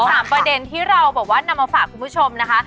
สามประเด็นที่เราบอกว่านำมาฝากคุณผู้ชมนะคะ